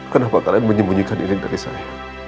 kenapa kalian menyembunyikan diri dari saya